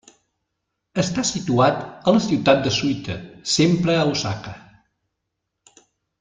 Està situat a la ciutat de Suita, sempre a Osaka.